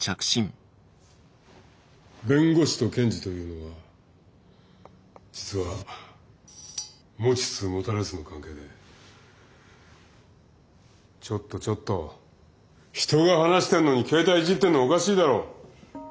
弁護士と検事というのは実は持ちつ持たれつの関係でちょっとちょっと人が話してんのに携帯いじってんのおかしいだろ！